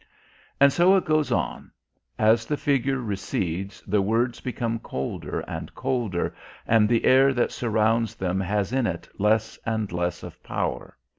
And so it goes on! As the Figure recedes the words become colder and colder and the air that surrounds them has in it less and less of power.